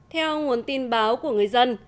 theo nguồn tin báo của người dân